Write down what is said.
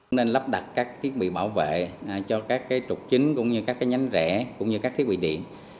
nên lắp đặt các thiết bị bảo vệ cho các trục chính cũng như các nhánh rẽ cũng như các thiết bị điện